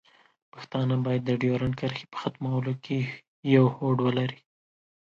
پښتانه باید د ډیورنډ کرښې په ختمولو کې یو هوډ ولري.